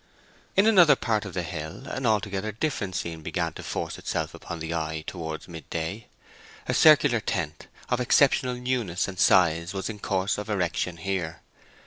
In another part of the hill an altogether different scene began to force itself upon the eye towards midday. A circular tent, of exceptional newness and size, was in course of erection here.